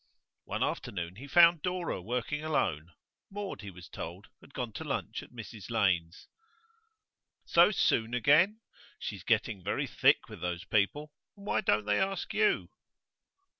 One afternoon he found Dora working alone. Maud, he was told, had gone to lunch at Mrs Lane's. 'So soon again? She's getting very thick with those people. And why don't they ask you?